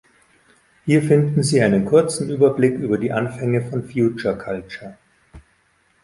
Hier finden Sie einen kurzen Überblick über die Anfänge von Future Culture.